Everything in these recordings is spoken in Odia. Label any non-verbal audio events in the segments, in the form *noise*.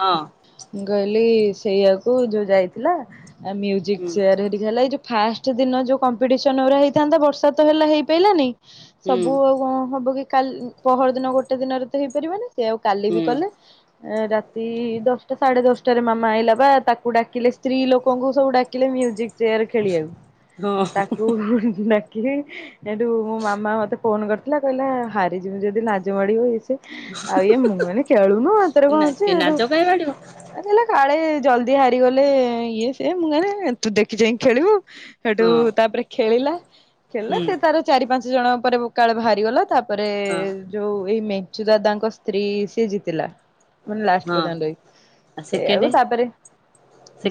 ହଁ। ମୁଁ କହିଲି ସେଇଆକୁ ଯୋଉ ଯାଇଥିଲା ମ୍ୟୁଜିକ୍ ହୁଁ ଚେୟାର ରେ ହେଲା ଏଇ ଯୋଉ ଫାଷ୍ଟ ଦିନ ଯୋଉ କମ୍ପିଟିସନ୍ ଗୁରା ହେଇଥାନ୍ତା ବର୍ଷା ତ ହେଲା ହେଇ ପାଇଲାନି ହୁଁ ସବୁ ଆଉ କଣ ହବ କି କାଲ ପହର ଦିନ ଗୋଟେ ଦିନରେ ତ ହେଇପାରିବ ନି ସେ ଆକୁ କାଲି ବି ହୁଁ କଲେ ରାତି ଦଶ ସାଢ଼େ ଦଶଟାରେ ମାମା ଆଇଲା ପା ତାକୁ ଡାକିଲେ ସ୍ତ୍ରୀ ଲୋକଙ୍କୁ ସବୁ ଡାକିଲେ ମ୍ୟୁଜିକ୍ ଚେୟାର ଖେଳିବାକୁ ହଁ ତାକୁ ଡାକିଲେ ସେଠୁ ମୋ ମାମା ମତେ ଫୋନ କରିଥିଲା କହିଲା ହାରିଯିବୁ ଯଦି ନାଜମାଡ଼ିବ ଇଏ ସିଏ ଆଉ ଏ ମୁଁ କହିନି କେଳୁନୁ ହେତିରେ ନା କଣ ଅଛି ହେଟୁ ନାଜ କାଇଁ ମାଡ଼ିବ? ଆ କହିଲା କାଳେ ଜଲଦି ହାରିଗଲେ ଇଏ ସିଏ ମୁଁ କହିଲି ତୁ ଦେଖି ଚାହିଁକି ଖେଳିବୁ। ସେଠୁ ହଁ ତାପରେ ଖେଳିଲା ଖେଳିଲା ହୁଁ ସେ ତାର ଚାରି ପାଞ୍ଚ ଜଣ ପରେ କାଳେ ବାହାରିଗଲା ତାପରେ ହଁ ଯୋଉ ଏଇ ମେଞ୍ଚୁ ଦାଦାଙ୍କ ସ୍ତ୍ରୀ ସିଏ ଜିତିଲା ମାନେ ଲାଷ୍ଟ ହଁ ପର୍ଯ୍ୟନ୍ତ ଆଉ ରହି ସେକେଣ୍ଡ ସେଇଆକୁ ତାପରେ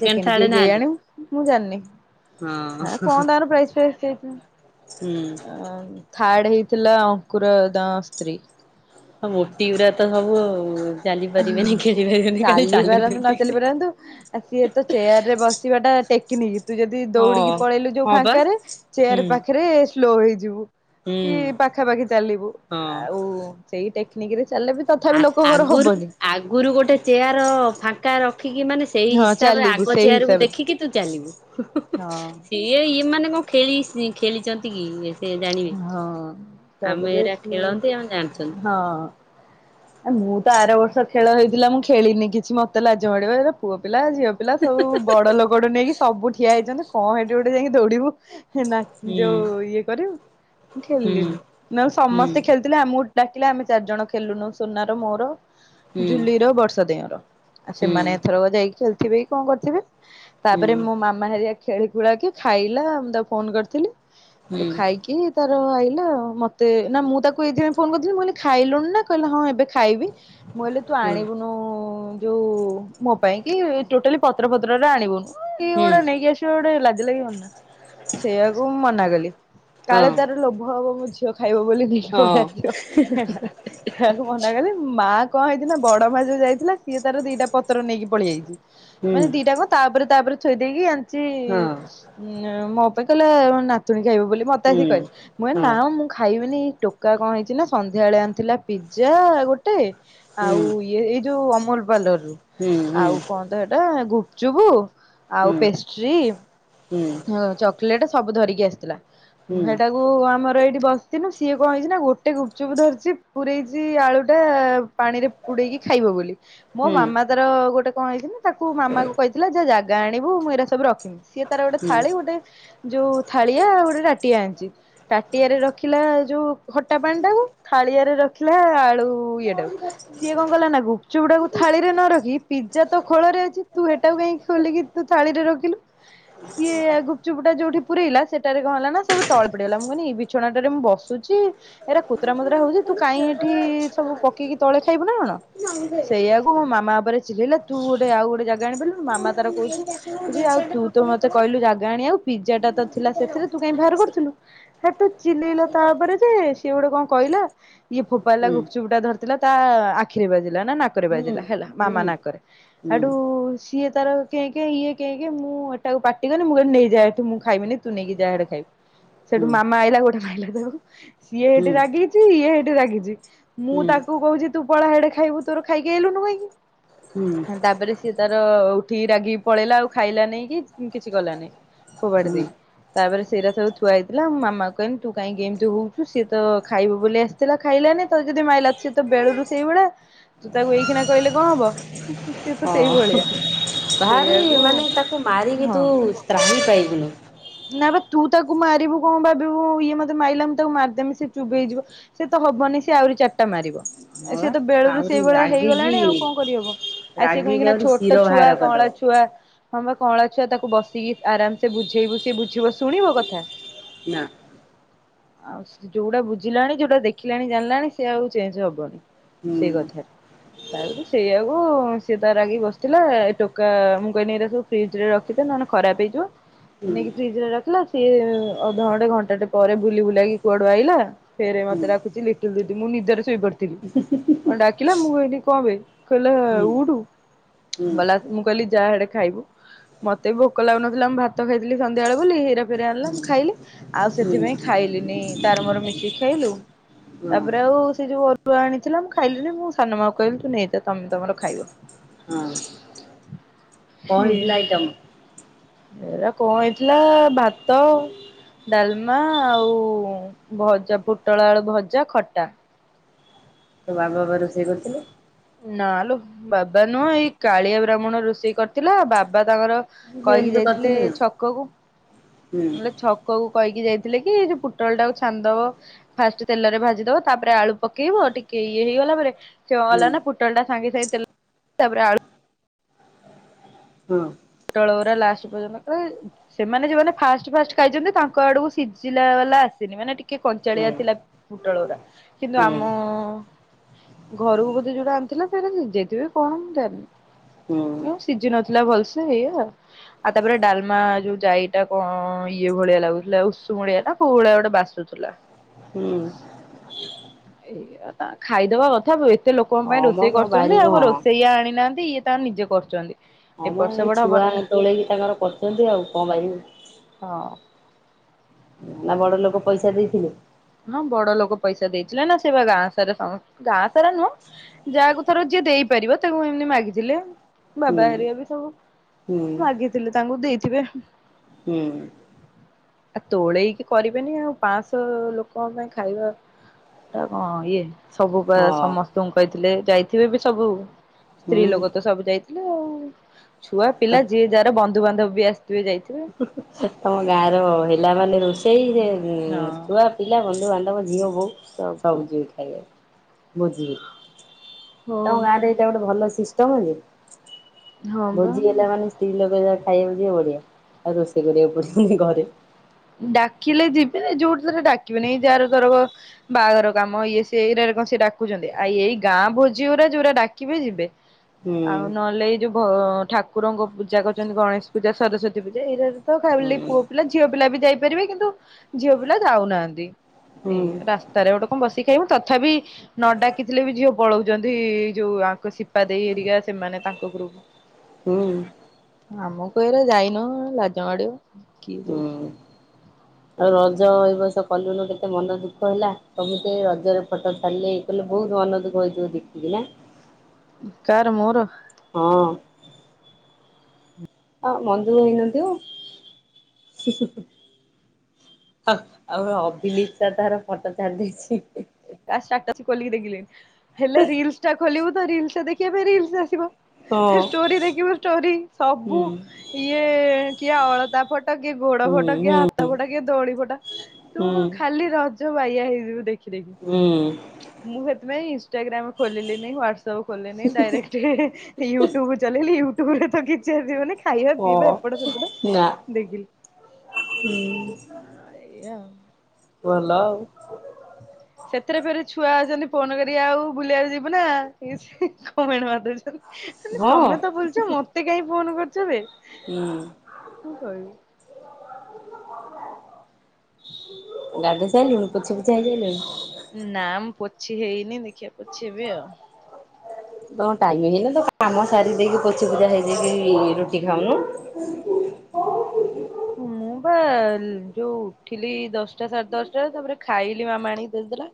ସେକେଣ୍ଡ ଥାର୍ଡ କିଏ ନାହାନ୍ତି କେଈଆଣି ମୁଁ ଜାଣିନି? ହଁ ପ୍ରାଇଜ୍ ଫ୍ରାଇଜ୍ ଦେଇଛନ୍ତି। ହୁଁ। ଥାର୍ଡ ହେଇଥିଲା ଅଙ୍କୁର ତାଙ୍କ ସ୍ତ୍ରୀ। ହଁ ମୋଟି ଗୁରା ତ ସବୁ ଆଉ ଚାଲି ପାରିବେନି ଖେଳି ପାରିବେନି ଖାଲି ଚାଲୁଛନ୍ତି। କିନ୍ତୁ ଆ ସିଏ ତ ଚେୟାର ରେ ବସିବା ଟା ଟେକ୍ କିନି ତୁ ଯଦି ହଁ ଦୌଡ଼ିକି ପଳେଇଲୁ ଯୋଉ ହଁ ବା ଫାଙ୍କାରେ ହୁଁ ଚେୟାର ପାଖରେ ସ୍ଲୋ ହେଇଯିବୁ। ହୁଁ କି ପାଖାପାଖି ଚାଲିବୁ ହଁ ଆଉ ସେଇ ଟେକ୍ନିକ ରେ ଚାଲିଲେ ବି ତଥାପି ଲୋକ ଙ୍କର ହବନି। ଆଗୁରୁ ଗୋଟେ ଚେୟାର ଫାଙ୍କା ରଖିକି ମାନେ ସେ ସେଇ ହଁ ହିସାବରେ ଚାଲିବୁ ଆଗ ସେଇ ଚେୟାର କୁ ହିସାବରେ ଦେଖିକି ତୁ ଚାଲିବୁ। ହଁ ଇଏ ଏମାନେ କଣ ଖେଳିସି ଖେଳିଛନ୍ତି କି ଏ ସେ ଜାଣିବେ ହଁ ଆମେ ତାପରେ ଏଇରା ସେ ଖେଳନ୍ତି ଆମେ ଜାଣିଛନ୍ତି। ହଁ ମୁଁ ତ ଆର ବର୍ଷ ଖେଳ ହେଇଥିଲା ମୁଁ ଖେଳିିନି କିଛି ମତେ ଲାଜ ମାଡ଼ିବ ଏରା ପୁଅ ପିଲା ଝିଅ ପିଲା ସବୁ ବଡ଼ ଲୋକଠୁ ନେଇକି ସବୁ ଠିଆ ହେଇଛନ୍ତି କଣ ହେଇଠି ଗୋଟେ ଯାଇକି ଦୌଡ଼ିବୁ। ହେନା ହୁଁ ଯୋଉ ଇଏ କରିବୁ ମୁଁ ହୁଁ ଖେଳିଲିନି ନହେଲେ ହୁଁ ସମସ୍ତେ ଖେଳିଥିଲେ ଆମକୁ ଡାକିଲେ ଆମେ ଚାରି ଜଣ ଖେଲିଲୁନୁ ସୁନାର ମୋର ହୁଁ ଜୁଲି ର ବର୍ଷା ଦେଇ ଙ୍କର ଆଉ ହୁଁ ସେମାନେ ଏଥରକ ଯାଇକି ଖେଳିଥିବେ କି କଣ କରିଥିବେ। ହୁଁ ତାପରେ ମୋ ମାମା ହେରିକା ଖେଳି ଖୁଳା କି ଖାଇଲା ମୁଁ ତାକୁ ଫୋନ୍ କରିଥିଲି ହୁଁ ହୁଁ ହେଠୁ ଖାଇ କି ତାର ଆଇଲା ଆଉ ମତେ ନା ମୁଁ ତାକୁ ଏଇଥିପାଇଁ ଫୋନ୍ କରିଥିଲି ମୁଁ କହିଲି ଖାଇଲୁଣି ନା କହିଲା ହଁ ଏବେ ଖାଇବି। ମୁ ଅଲି ତୁ ଆଣିବୁନୁ ଯୋଉ ମୋ ପାଇଁ କି ଟୋଟାଲି ପତ୍ର ପତ୍ରରେ ଆଣିବୁନୁ ଇଏ ଗୋଟେ ନେଇକି ଆସିବ ଗୋଟେ ଲାଜ ଲାଗିବନି ନା ସେଇଆକୁ ମୁଁ ମନା କଲି। ହଁ କାଳେ ତାର ଲୋଭ ହବ ମୋ ଝିଅ ଖାଇବ ବୋଲି ନେଇକି ପଳେଇ ହଁ ଆସିବ ହେ ହେ ହେ ମନା କଲି ମା କଣ ହେଇଛି ନା ବଡ଼ ମା ଯୋଉ ଯାଇଥିଲା ସିଏ ତାର ଦିଟା ପତ୍ର ନେଇକି ପଳେଇଆଇଛି ହୁଁ ମାନେ ଦିଟାଙ୍କ ତାପରେ ତାପରେ ଥୋଇ ଦେଇକି ଆଣିଚି ହଁ ନେ ମୋ ଅପା କଲା ମୋ ନାତୁଣୀ ଖାଇବ ବୋଲି, ମୋତେ ହୁଁ ଆସି କହି, ମୁଁ କଇନି ହଁ ନା ମୁଁ ଖାଇବିନି, ଟୋ କା କଣ ହେଇଛି ନା ସନ୍ଧ୍ୟାବେଳେ ଆଣିଥିଲା ପିଜା ଗୋଟେ, ହୁଁ ଆଉ ଇଏ ଏଇ ଯୋଉ ଅମୁଲପାର୍ଲ ରୁ ହୁଁ ଆଉ କଣ ତ ସେଟା ଗୁପ୍ ଚୁପୁ ହୁଁ ହୁଁ ହୁଁ ଆଉ ପେଷ୍ଟ୍ରି, ହୁଁ ହଁ ଚକୋଲେଟ୍ ସବୁ ଧରିକି ଆସିଥିଲା, ହୁଁ ହୁଁ ମୁଁ ହେଟାକୁ କୁ ଆମର ଏଇଠି ବସିଥିନୁ ସିଏ କଣ ହେଇଛି ନା ଗୋଟେ ଗୁପଚୁପ୍ ଧରିଛି ପୁରେଇଚି ଆଳୁଟା ପାଣି ରେ ବୁଡେଇକି ଖାଇବ ବୋଲି, ମୋ ହୁଁ ମାମା ତାର ଗୋଟେ କଣ ହେଇଛି ନା ତାକୁ ମାମାକୁ କହିଥିଲା ଯା ଜା ଗା ଆଣିବୁ ମୁଁ ଏଇରା ସବୁ ରଖିମି, ସିଏ ତାର ଗୋଟେ ହୁଁ ଥାଳି ହୁଁ ଗୋଟେ ଯୋଉ ଥାଳିଆ ଗୋଟେ ତା ଟିଆ ଆଣିଚି। ତାଟିଆରେ ରଖିଲା ଯୋଉ ଖଟା ପାଣି ଟାକୁ, ଥାାଳିଆରେ ରଖିଲା ଆଳୁ ଇଏ ଟାକୁ ସିଏ କଣ କଲା ନା ଗୁ ଚୁଡ଼ାକୁ ଥାଳିରେ ନ ରଖି, ପିଜା ତ ଖୋଳରେ ଅଛି ତୁ ହେଟାକୁ କାଇଁ ଖୋଲିକି ତୁ ଥାଳିରେ ରଖିଲୁ। ସିଏ ଏ ଗୁପଚୁପଟା ଯୋଉଠି ପୁରେଇଲା ସେଟାରେ କଣ ହେଲା ନା ସବୁ ତଳେ ପଡିଗଲା, ମୁଁ କହିନି ଏ ବିଛଣାଟାରେ ମୁଁ ବସୁଛି ଏଇରା କୁତୁରା ମୂତୁରା ହଉଚି ତୁ କାଇଁ ଏଠି ସବୁ ପକେଇକି ତଳେ ଖାଇବୁ ନା କଣ? ସେଇଆକୁ ମୋ ମାମା ଉପରେ ଚିଲେଇଲା ତୁ ଗୋଟେ ଆଉ ଗୋଟେ ଜାଗା ଆଣିପାରିଲୁନୁ, ମାମା ତାର କହୁଛି କହୁଚି ଆଉ ତୁ ତ ମୋତେ କହିଲୁ ଜାଗା ଆଣିଆକୁ ପିଜ୍ଜା ଟା ତ ଥିଲା ସେଥିରେ ତୁ କାଇଁ ବାହାର କରୁ ଥିଲୁ, ହେଠୁ ଚିଲେଇଲା ତାପରେ ଯେ ସିଏ ଗୋଟେ କଣ କଇଲା ଇଏ ଫୋଫାଡିଲା ହୁଁ ଗୁପଚୁପ ଟା ଧରିଥିଲା ତା ଆଖିରେ ବାଜିଲା ନା ନାକରେ ହୁଁ ହୁଁ ବାଜିଲା ହେଲା, ମାମା ନାକରେ ହେଠୁ ସିଏ ତାର କେଁ କେଁ ଇଏ କେଁ କେଁ ମୁଁ ଏଟାକୁ ପାଟିକଲି ମୁଁ କହିଲି ନେଇଯା, ଏଠୁ ମୁଁ ଖାଇମିନି ତୁ ନେଇକି ଯା ଏଠୁ ଖାଇବୁ, ହୁଁ ସେଠୁ ମାମା ଆଇଲା ଗୋଟେ ମାଇଲା ତାକୁ, ସିଏ ହୁଁ ହେଟି ରାଗି ଚି ଇଏ ହେଠି ରାଗିଚି, ମୁଁ ତାକୁ କହୁଚି ତୁ ପଳା ହେଡେ ଖାଇବୁ ତୋର ଖାଇକି ଆଇଲୁନୁ କାହିଁକି? ହୁଁ ହଁ ତାପରେ ସିଏ ତାର ଉଠିକି ରାଗିକି ପଳେଇଲା ଆଉ ଖାଇଲା ନାହିଁ କି ଉଁ, କିଛି କଲା ନାହିଁ। ଫୋଫାଡି ହଁ ଦେଇ ତା ପରେ ସେରା ସବୁ ଥୁଆ ହେଇଥିଲା, ମୁଁ ମାମା କୁ କହିନି ତୁ କାଇଁକି ଏମିତି ହଉଛୁ, ସିଏ ତ ଖାଇବ ବୋଲି ଆସିଥିଲା ଖାଇଲାନି ତ ଯଦି ମାଇଲା ସେ ତ ବେଳୁରୁ ସେଇ ଭଳିଆ ତୁ ତାକୁ ଏଇକ୍ଷୀଣା କହିଲେ କଣ ହବ। ସିଏ ତ ସେଇ ଭଳିଆ। ଭାରି ମାନେ ତାକୁ ମାରିକି ହଁ। ତୁ ତ୍ରାହି ପାଇବୁନୁ। ନା ବା ତୁ ତାକୁ ମାରିବୁ କଣ ଭାବିବୁ ଇଏ ମୋତେ ମାଇଲା ମୁଁ ତାକୁ ମାରିଦେମି ସିଏ ଚୁପ୍ ହେଇଯିବ। ସିଏ ତ ହବନି ସିଏ ଆଉରି ଚାଟା ମାରିବ। ହଁ ଏ ସିଏ ବା ତ ବେଳୁରୁ ଆହୁରି ସେଇ ଭଳିଆ ହେଇଗଲାଣି ଆଉ ରାଗିକି କଣ କରିହବ। ଆ, ସିଏ କଣ ରାଗିକି ଏଇଖିଣା ଆହୁରି ଛୋଟ ଶିର ଛୁଆ ବାହାର କଅଁଳା କରିଦବ ଛୁଆ ହଁ ବା କଅଁଳା ଛୁଆ ତାକୁ ବସିକି ଆରମ ସେ ବୁଝେଇବୁ ସିଏ ବୁଝିବ ଶୁଣିବ କଥା। ନା। ଆଉ ଯୋଉଡା ବୁଝିଲାଣି ଯୋଉଟା ଦେଖିଲାଣି ଜାଣିଲାଣି ସେ ଆଉ ଚେଞ୍ଜ ହବନି। ହୁଁ। ସେଇ କଥା। ତାପରେ *unintelligible* ସେଇଆକୁ ସିଏ ତାର ରାଗିକି ବସିଥିଲା ଏ ଟୋକା ମୁଁ କଇନି ଏରା ସବୁ ଫ୍ରିଜ୍ ରେ ରଖିଦେ ନହେନେ ଖରାପ ହେଇଯିବ, ହୁଁ ନେଇକି ଫ୍ରିଜ୍ ରେ ରଖିଲା। ସିଏ ଅଧ ଘଣ୍ଟେ ଘଣ୍ଟାଟେ ପରେ ବୁଲି ବୁଲାକି କୁଆଡୁ ଆଇଲା। ଫେରେ ହୁଁ ମୋତେ ଡାକୁଚି ଲିଟିଲ୍ ଦିଦି ମୁଁ ନିଦରେ ଶୋଇପଡ଼ିଥିଲି। ଅଁ, ଡାକିଲା ମୁଁ କହିଲି କଣ ବେ କଇଲା ଆ, ହୁଁ ଉଠୁ। ହୁଁ ଗଲା ମୁଁ କଇଲି ଯା ହାଡେ ଖାଇବୁ। ମୋତେ ଭୋକ ଲାଗୁନଥିଲା ମୁଁ ଭାତ ଖାଇଥିଲି ସନ୍ଧ୍ୟାବେଳେ ବୋଲି, ହେରା ଫେର୍ ହୁଁ ଆଣିଲା ମୁଁ ଖାଇଲି। ଆଉ ହୁଁ ହଁ ସେଥିପାଇଁ ହଁ ଖାଇଲିନି ତାର ମୋର ମିଶିକି ଖାଇଲୁ। ତାପରେ ଆଉ ସେ ଯୋଉ ଅରୁଆ ଆଣିଥିଲା ମୁଁ ଖାଇଲିିନି ମୁଁ ସାନ ମା କହିଲି ତୁ ନେଇଯା ତୋମେ ତୋମର ଖାଇବ। ହଁ କଣ ହେଇଥିଲା ଆଇଟମ୍? ଏରା କଣ ହେଇଥିଲା ଭାତ ଡାଲମା ଆଉ ଭଜା ପୁଟଳ ଆଳୁ ଭଜା ଖଟା। ତୋ ବାବା ବା ରୋଷେଇ କରିଥିଲେ। ନାଲୋ ବାବା ନୁହଁ ଏଇ କାଳିଆ ବ୍ରାହ୍ମଣ ରୋଷେଇ କରିଥିଲା ବାବା ତାଙ୍କର ସେ କହିକି ହେଲ୍ପ ଯାଇଥିଲେ କରିଥିଲେ ଆଉ ଛକକୁ। ହୁଁ ବୋଲେ ଛକକୁ କହିକି ଯାଇଥିଲେ କି ପୁଟଳ ଟାକୁ ଛାନିଦବ। ଫାଷ୍ଟ ତେଲରେ ଭାଜିଦବ ତା ପରେ ଆଳୁ ପକେଇବ ଟିକେ ଇଏ ହେଇଗଲା ପରେ ସିଏ କଣ ହୁଁ କଲା ନା ପୁଟଳ ସାଙ୍ଗେ ସାଙ୍ଗେ ତେଲ ତା ପରେ ଆଳୁ ହୁଁ। ପୁଟଳ ଉରା ଲାଷ୍ଟ ପର୍ଯ୍ୟନ୍ତ କୁଇ ସେମାନେ ଯେଉଁମାନେ ଫାଷ୍ଟ ଫାଷ୍ଟ ଖାଇଛନ୍ତି ତାଙ୍କ ଆଡକୁ ସିଝିଲା ବାଲା ଆସିନି ମାନେ ଟିକେ ହୁଁ କଞ୍ଚାଳିଆ ଥିଲା। ପୁଟଳଉରା କିନ୍ତୁ ହୁଁ ଆମ ଘରକୁ ବୋଧେ ଯୋଉଟା ଆଣିଥିଲା ସେଟା ଶିଜିଯାଇଥିବ କି କଣ ମୁଁ ଜାଣିନି। ହୁଁ ସିଜି ନଥିଲା ଭଲ ସେ ଏଇଆ। ଆଉ ତାପରେ ଡାଲମା ଯୋଉ ଯାଇଟା କଣ ଇଏ ଭଳିଆ ଲାଗୁଥିଲା ଉଷୁମ ମୁଳିଆ କୋଉ ଭଳିଆ ଗୋଟେ ବାଷ୍ ତୁ ଥିଲା। ହୁଁ। ଏଇ ତା ଖାଇଦବା କଥା ଏ ତେ ଲୋକଙ୍କ ପାଇଁ ହଁ ମ ରୋଷେଇ କଣ କରୁଛନ୍ତି। ବାରିବୁ ଆଉ ହଁ ରୋଷେଇ ଆଣିନାହାନ୍ତି ଇଏ ତା ନିଜେ କରୁଛନ୍ତି। ହଁମ ଏପଟ ଏଇ ସେପଟ ଛୁଆ ହବନି ନା ତୋଳେଇକି ତାଙ୍କର କରୁଛନ୍ତି ଆଉ କଣ ପାଇଁ। ହଁ। ନା ବଡ ଲୋକ ପଇସା ଦେଇଥିଲେ? ହଁ ବଡ ଲୋକ ପଇସା ଦେଇଥିଲେ ନା ସେ ବା ଗାଁ ସାରା ସମ ଗାଁ ସାରା ନୁହଁ। ଯାହାକୁଥର ଯିଏ ଦେଇପାରିବ ତାକୁ ଏମୀତି ମାଗିଥିଲେ। ହୁଁ ବାବା ହେରିକା ବି ସବୁ ହୁଁ ମାଗିଥିଲେ ତାଙ୍କୁ ଦେଇଥିବେ। ହୁଁ। ଆଉ ତୋଳେଇକି କରିବେନି ଆଉ ପାଶ ଲୋକ। କଣ ପାଇଁ ଖାଇବା କଣ ଇଏ ସବୁ ହଁ ସମସ୍ତ ତୁମ କହିଥିଲେ ଯାଇଥିବେ ବି ସବୁ। ହୁଁ ସ୍ତ୍ରୀ ଲୋକ ତ ସବୁ ଯାଇଥିଲେ ଆଉ। ଛୁଆ ତ ପିଲା ଯିଏ ଯାହାର ବନ୍ଧୁବାନ୍ଧ ବି ଆସିଥିବେ ଯାଇଥିବେ। ତମ ଗାଁର ହେଲାମାନେ ରୋଷେଇ ସେ ହଁ। ଛୁଆ ପିଲା ବନ୍ଧୁବାନ୍ଧବ ଝିଅ ବୋହୁ ସବୁ ଯିବେ ଖାଇବା ବୋଝି ହଉ ତମ ଗାଁରେ ଏଇଟା ଗୋଟେ ଭଲ ସିଷ୍ଟମ ଯେ। ହଁ ବା ଭୋଜି ହେଲା ମାନେ ସ୍ତ୍ରୀ ଲୋକଯାକ ଖାଇବାକୁ ଜିବେ ବଢିଆ। ଆଉ ରୋଷେଇ କରିବାକୁ ପଡିବନି ଘରେ। ଡାକିଲେ ଯିବେ ଯୋଉଠି ଥରେ ଡାକିବେନି ଯାହାର ଧରବ ବାହାଘର କାମ ଇଏ ସେ ଏଇ କଣ ସେ ଡାକୁଛନ୍ତି। ଆ ଏଇ ଗାଁ ଭୋଜି ଗୁଡା ଯୋଉରା ଡାକିବେ ଯିବେ। ହୁଁ ଆଉ ନହେଲେ ଏଇ ଯୋଉ ଭ ଠାକୁରଙ୍କ ପୂଜା କରୁଛନ୍ତି ଗଣେଶ ପୂଜା ସରସ୍ଵତୀ ପୂଜା ଏଇରା ତ ହୁଁ ଖାଲିପୁଅ ପିଲା ଝିଅ ପିଲା ବି ଯାଇପାରିବେ କିନ୍ତୁ ଝିଅ ପିଲା ଯାଉନାହାନ୍ତି। ଏଇ ରାସ୍ତାରେ ଗୋଟେ କଣ ବସି ଖାଇବୁ। ତଥାପି ନ ଡାକିଥିଲେ ବି ଝିଅ ପଳଉଛନ୍ତି। ଯୋଉ ଆଙ୍କ ସିପା ଦେଇ ହେରିକା ସେମାନେ ତାଙ୍କ ଗ୍ରୁପ। *inaudible* ହୁଁ। ଆମକୁ ଏରା ଯାଇନୁ ଲାଜମାଡିବ। ହଁ। ଆଉ ରଜ ଏ ବସ କଲୁନୁ କେତେ ମନ ଦୁଃଖ ହେଲା। ସମସ୍ତେ ରଜରେ ଫଟୋ ଛାଡିଲେ। କହିଲି ବହୁତ ମନଦୁଃଖ ହେଇଥିବ ଦେଖିକି ନା। କାର ମୋର? ହଁ। ହଁ ମନ ଦୁଃଖ ହେଇନଥିବ। ଆଉ ଅଭିଲିପ୍ସା ସ ତାର ଫଟୋ ଛାଡିଦେଇଛି। ତା ସ୍ଟାଟସ୍ ଖୋଲିକି ଦେଖିଲେ ହେଲେ ରିଲସ୍ ଟା ଖୋଲିବୁ ତ ରିଲସ୍ ଦେଖିବା ପାଇଁ ରିଲସ୍ ଆସିବ। ହଁ ଷ୍ଟୋରି ଦେଖିବ ଷ୍ଟୋରି ସବୁ। ନା ଇଏ କିଏ ଅଳତା ଫୋଟ କିଏ ଗୋଡ ଫୋଟ କିଏ ହାତ ଫୋଟା କିଏ ଦୋଳି ଫୋଟା। ତୁ ଖାଲି ରଜ ବାଇଆ ହେଇଯିବୁ ଦେଖିଦେଖି। ହୁଁ। ମୁଁ ସେଥିପାଇଁ ଇନ୍ଷ୍ଟାଗ୍ରାମ ଖୋଲିଲିନି ହ୍ୱାଟ୍ସପ ଖୋଲିନି ଡାଇରେକ୍ଟ ୟୁଟ୍ୟୁବ ଚଲେଇଲି ୟୁଟ୍ୟୁବ ରେ ତ କିଛି ଆସିବନି। ଖାଇବା ପିଇବା ଏପଟ ସେପଟ ଦେଖିଲି ଏଇଆ ଆଉ। ଭଲ ଆଉ। *inaudible* ସେଥିରେ ଫେରେ ଛୁଆ ଅଛନ୍ତି ଫୋନ କରି ଆଉ ବୁଲିବାକୁ ଯିବୁ ନା କମେଣ୍ଟ ମାରି ଦଉଛନ୍ତି। ହଁ। ତମେ ତ ବୁଲୁଛ ମତେ କାଇ ଫୋନ କରୁଛ ବେ। ହୁଁ। ମୁଁ କହିବି ଗାଧେଇ ସାଇଲୁଣି ପଛି ପୁଛା ହେଇସାଇଲୁଣି। ନାଁ ପୋଛି ହେଇନି ଦେଖିବା ପୋଛି ହେବି ଆଉ। ତ ଟାଇମ୍ ହେଇନି ତ କାମ ସାରି ଦେଇକି ପୋଛିି ପୁଛା ହେଇଯାଇକି ରୁଟି ଖାଉନୁ। ମୁଁ ବା ଯୋଉ ଉଠିଲି ଦଶଟା ସାଢେ ଦଶଟା ତାପରେ ଖାଇଲି ମାମା ଆଣିକି ଦେଇଦେଲା।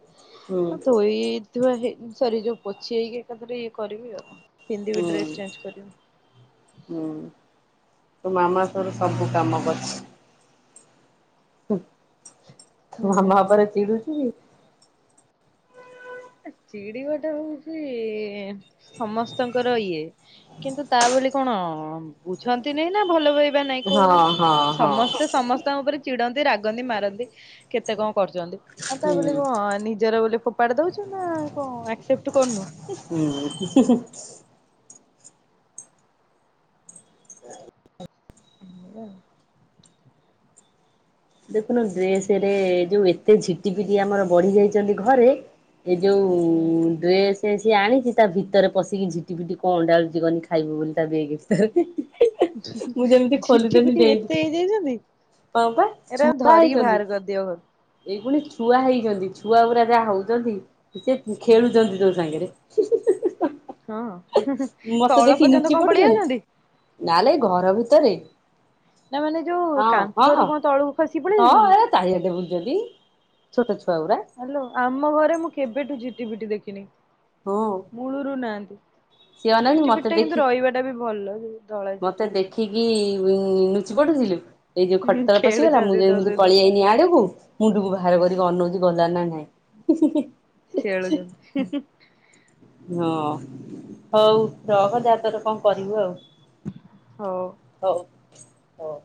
ହୁଁ ଧୋଇ ଧୁଆ ହେଇ ସରି ଯୋଉ ପୋଛି ହେଇକି ଏକାଥରେ ଇଏ କରିବି ଆଉ। ପିନ୍ଧିବି ହୁଁ, ଡ୍ରେସ ଚେଞ୍ଜ କରିବି ହୁଁ ତୋ ମାମା ତୋର ହଁ ସବୁ କାମ କରଛି। ଉମ୍ ତୋ ମାମା ହୁଁ। ଉପରେ ଚିଡୁଛୁ କି। ଚିଡିବାଟା ହଉଛି ସମସ୍ତଙ୍କର ଇଏ। କିନ୍ତୁ ତା ବୋଲି କଣ ବୁଝନ୍ତିନି ନା ଭଲ ପାଇ ନାଇଁ କି ହଁ କହୁନୁ ହଁ ହଁ ସମସ୍ତେ ସମସ୍ତଙ୍କ ଉପରେ ଚିଡନ୍ତି ରାଗନ୍ତି ମାରନ୍ତି। କେତେ କଣ କରୁଛନ୍ତି ତା ହୁଁ ବୋଲି କଣ ନିଜର ବୋଲି ଫୋପାଡ଼ି ଦଉଛୁ। ନାଁ କଣ ଆକସେପଟ କରୁନୁ। ହୁଁ। *inaudible* ଦେଖୁନ ଡ୍ରେସରେ ଯୋଉ ଏତେ ଝିଟି ପିଟି ଆମର ବଢି ଯାଇଛନ୍ତି ଘରେ। ଏ ଯୋଉ ହୁଁ ଡ୍ରେସ୍ ସେ ସିଏ ଆଣିଛି ତା ଭିତରେ ପଶିକି ଝିଟି ପିଟି କଣ ଅଣ୍ଡାଳୁଛି କହନି ଖାଇବ ବୋଲି ତା ବେଗେ ଭିତରେ। ମୁଁ ଯେମିତି ଝିଠି ଖୋଲୁଥିଲି ପିଠି ଡେଲି ଏତେ ହେଇଯାଇଛନ୍ତି? ହଁ ପା ଏରାଙ୍କୁ ଛୁଆ ଧରିକି ହେଇଛନ୍ତି ବାହାର କରିଦିଅ ଘରୁ। ଏଇ ଖୁଣି ଛୁଆ ହେଇଛନ୍ତି, ଛୁଆ ଗୁରା ଯାହା ହଉଛନ୍ତି ସେ ଖେଳୁଛନ୍ତି ତୋ ସାଙ୍ଗେରେ। ହଁ, ତଳ ପର୍ଯ୍ୟନ୍ତ କଣ ପଳେଇ ଆଉଛନ୍ତି। ନା ଲୋ ଏଇ ଘର ଭିତରେ। ନା ମାନେ ଯୋଉ ହଁ ହଁ କାନ୍ଥରୁ କଣ ତଳକୁ ଖସି ପଳେଇ ହଁ ଯାଉଛନ୍ତି। ଏ ଚାରିଆଡେ ବୁଲଛନ୍ତି ଛୋଟ ଛୁଆ ଗୁରା। ହାଲୋ ଆମ ଘରେ ମୁଁ କେବେଠୁ ଝିଟି ପିଟି ଦେଖିନି। ହଁ। ମୂଳୁରୁ ନାହାନ୍ତି, ସିଏ ଅନାନି ଝିଟି ପିଟି ମତେ ଟା କିନ୍ତୁ ଦେଖି ରହିବାଟା ବି ଭଲ ଯେ ମତେ ଦେଖିକି ଲୁଚି ପଡୁଚିଲୋ। ଏଇ ଯୋଉ ପିଟି। ହୁଁ ଖଟତଳ ପଶିଗଲା ମୁଁ ଖେଳୁଛନ୍ତି ତୋ ଯେମିତି ସହିତ ପଳିଆନି ଆଡକୁ। ମୁଣ୍ଡକୁ ବାହାର କରିକି ଅନଉଛି ଗଲାଣି ନା ନାଇଁ। ଖେଳୁଛନ୍ତି ହଁ ହଉ ରହଜାତୋର କଣ କରିବୁ ଆଉ। ହଉ ହଉ ହଉ